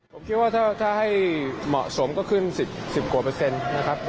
ผมคิดว่าถ้าให้เหมาะสมก็ขึ้น๑๐กว่าเปอร์เซ็นต์นะครับ